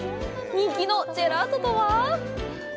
人気のジェラートとは？